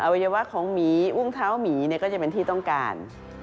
วัยวะของหมีอุ้งเท้าหมีก็จะเป็นที่ต้องการ